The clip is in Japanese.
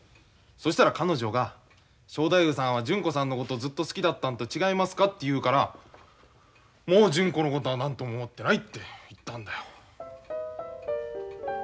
そしたら彼女が正太夫さんは純子さんのことずっと好きだったんと違いますかって言うからもう純子のことは何とも思ってないって言ったんだよ。